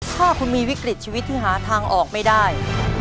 ถ้าคุณมีวิกฤตชีวิตที่หาทางออกไม่ได้